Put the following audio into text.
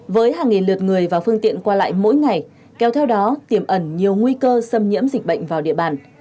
với hàng nghìn lượt người và phương tiện qua lại mỗi ngày kéo theo đó tiềm ẩn nhiều nguy cơ xâm nhiễm dịch bệnh vào địa bàn